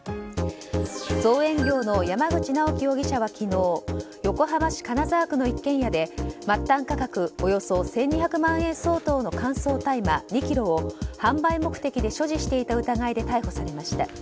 造園業の山口直樹容疑者は昨日横浜市金沢区の一軒家で末端価格およそ１２００万円相当の乾燥大麻２ｋｇを販売目的で所持していた疑いで逮捕されました。